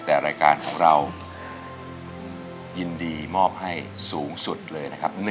แต่รายการของเรายินดีมอบให้สูงสุดเลยนะครับ